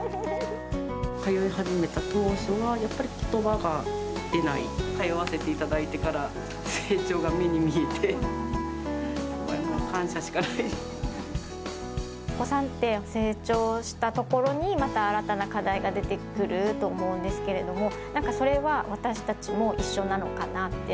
通い始めた当初は、やっぱりことばが出ない、通わせていただいてから、お子さんって、成長したところにまた新たな課題が出てくると思うんですけれども、なんかそれは私たちも一緒なのかなって。